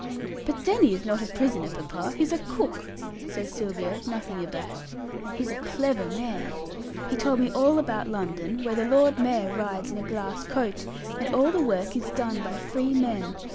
"But Danny is not a prisoner, papa he's a cook," says Sylvia, nothing abashed, "and he's a clever man. He told me all about London, where the Lord Mayor rides in a glass coach, and all the work is done by free men.